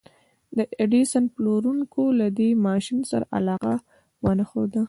د ايډېسن پلورونکو له دې ماشين سره علاقه ونه ښوده.